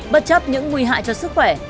bất chấp những nguy hại cho sức khỏe